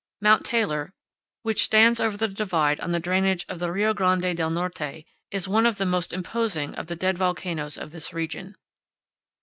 Mount Taylor, which stands over the divide on the drainage of the Rio Grande del Norte, is one of the most imposing of the dead volcanoes of this region.